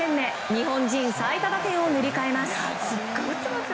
日本人最多打点を塗り替えます。